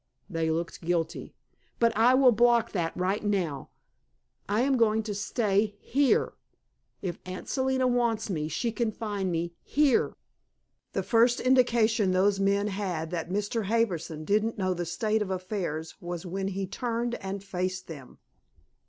They looked guilty. "But I will block that right now. I am going to stay here. If Aunt Selina wants me, she can find me here!" The first indication those men had that Mr. Harbison didn't know the state of affairs was when he turned and faced them.